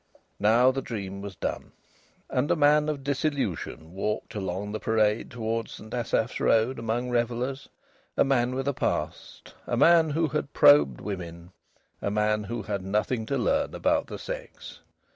Now the dream was done. And a man of disillusion walked along the Parade towards St Asaph's Road among revellers, a man with a past, a man who had probed women, a man who had nothing to learn about the sex.